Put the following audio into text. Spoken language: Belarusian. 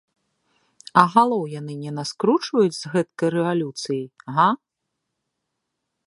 А галоў яны не наскручваюць з гэткай рэвалюцыяй, га?